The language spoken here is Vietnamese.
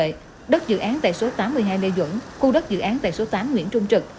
đất dự án tại số tám mươi hai lê duẩn khu đất dự án tại số tám nguyễn trung trực